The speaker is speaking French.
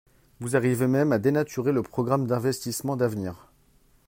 Vous arrivez même à dénaturer le programme d’investissement d’avenir